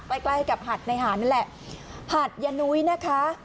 ใกล้ใกล้กับหัดในหารนั่นแหละหัดยานุ้ยนะคะ